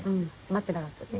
待っていなかったって？